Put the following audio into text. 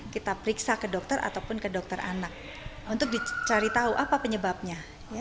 kita periksa ke dokter ataupun ke dokter anak untuk dicari tahu apa penyebabnya